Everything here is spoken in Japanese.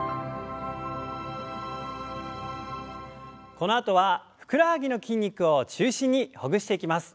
このあとはふくらはぎの筋肉を中心にほぐしていきます。